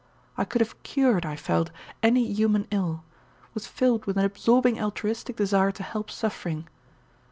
I could have cured, I felt, any human ill, was filled with an absorbing altruistic desire to help suffering.